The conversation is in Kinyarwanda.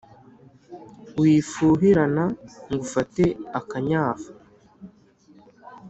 Wifuhirana ngo ufate akanyafu